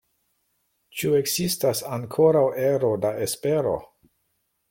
Ĉu ekzistas ankoraŭ ero da espero?